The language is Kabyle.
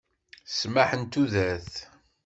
Ssmaḥ n tudert.